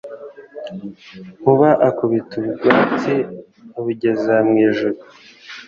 Nkuba akubita ubwatsi abugeza mu ijuru